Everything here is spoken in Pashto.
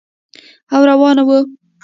او روانه وه.